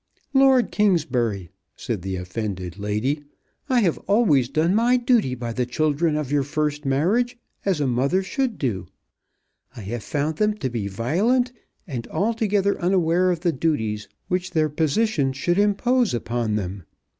"Lord Kingsbury," said the offended lady, "I have always done my duty by the children of your first marriage as a mother should do. I have found them to be violent, and altogether unaware of the duties which their position should impose upon them.